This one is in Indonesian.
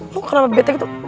lo kenapa bete gitu